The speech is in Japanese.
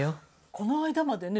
この間までね